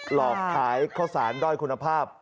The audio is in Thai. หลอกขายข้าวสารด้อยคุณภาพ